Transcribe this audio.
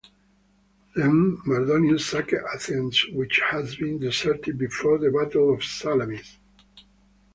Then Mardonius sacked Athens, which had been deserted before the Battle of Salamis.